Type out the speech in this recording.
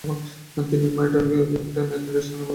তিনি মাইটনারকে পৃথিবীর একজন নেতৃস্থানীয় গবেষক বলে উল্লেখ করেন।